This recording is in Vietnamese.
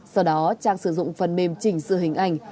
sau đó trang sử dụng phần mềm trình sự hình ảnh